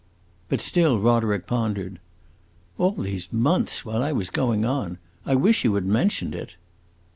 But still Roderick pondered. "All these months, while I was going on! I wish you had mentioned it."